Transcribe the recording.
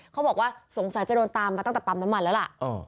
เขาบอกว่าสงสัยจะโดนตามมาตั้งแต่ปั๊มน้ำมันแล้วล่ะ